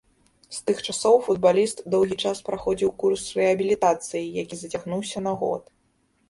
З тых часоў футбаліст доўгі час праходзіў курс рэабілітацыі, які зацягнуўся на год.